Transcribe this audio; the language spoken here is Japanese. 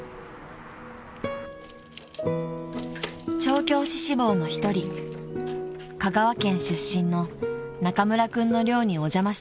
［調教師志望の一人香川県出身の中村君の寮にお邪魔してみると］